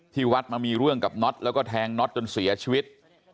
ที่วัดมามีเรื่องกับน็อตแล้วก็แทงน็อตจนเสียชีวิต